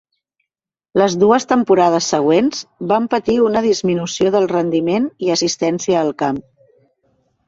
Les dues temporades següents van patir una disminució del rendiment i assistència al camp.